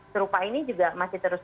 serupa ini juga masih terus